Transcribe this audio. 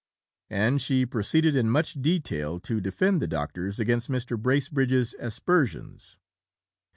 And she proceeded in much detail to defend the doctors against Mr. Bracebridge's aspersions.